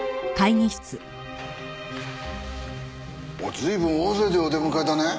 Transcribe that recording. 随分大勢でお出迎えだね。